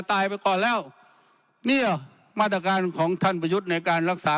ตายไปก่อนแล้วเนี่ยมาตรการของท่านประยุทธ์ในการรักษา